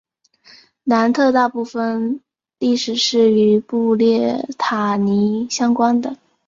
南特大部分历史是与布列塔尼相关的。